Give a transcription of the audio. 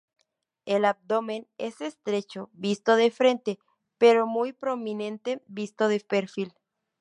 El abdomen es estrecho, visto de frente, pero muy prominente visto de perfil.